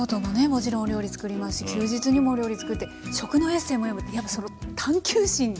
もちろんお料理作りますし休日にもお料理作って食のエッセイもやっぱその探究心。